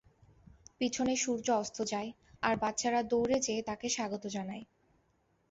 পিছনে সূর্য অস্ত যায়, আর বাচ্চারা দৌড়ে যেয়ে তাকে স্বাগত জানায়।